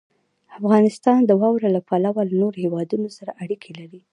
افغانستان د واوره له پلوه له نورو هېوادونو سره اړیکې لري.